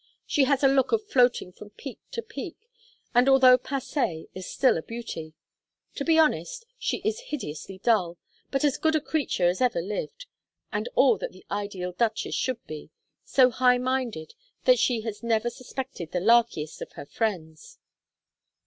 She has a look of floating from peak to peak, and although passée is still a beauty. To be honest, she is hideously dull, but as good a creature as ever lived, and all that the ideal duchess should be so high minded that she has never suspected the larkiest of her friends."